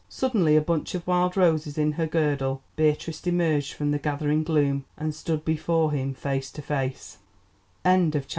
Suddenly, a bunch of wild roses in her girdle, Beatrice emerged from the gathering gloom and stood before him face to face.